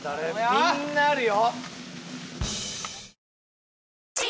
みんなあるよ